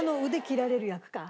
切られる役か。